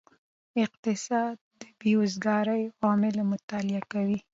اقتصاد د بیروزګارۍ عوامل مطالعه کوي.